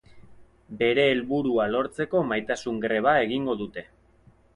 Bere helburua lortzeko maitasun-greba egingo dute.